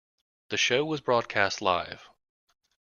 The show was broadcast live.